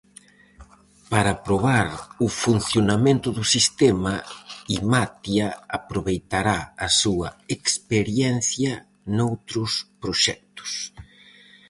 Para probar o funcionamento do sistema, Imatia aproveitará a súa experiencia noutros proxectos.